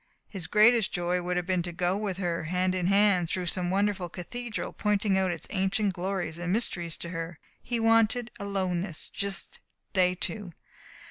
His greatest joy would have been to go with her, hand in hand, through some wonderful cathedral, pointing out its ancient glories and mysteries to her. He wanted aloneness just they two.